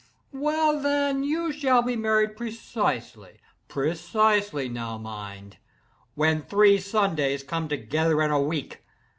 Well, then, you shall be married precisely—precisely, now mind!—_when three Sundays come together in a week!